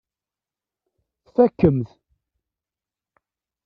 Tfakk-am-t.